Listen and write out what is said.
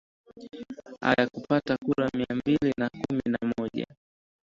a ya kupata kura mia mbili na kumi na moja